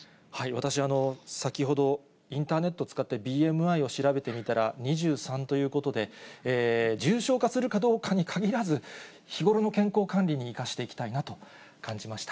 私、先ほどインターネット使ってＢＭＩを調べてみたら、２３ということで、重症化するかどうかにかぎらず、日頃の健康管理に生かしていきたいなと感じました。